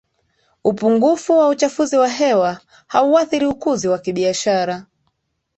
upungufu wa uchafuzi wa hewa hauathiri ukuzi wa kibiashara